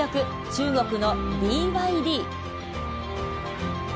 中国のＢＹＤ。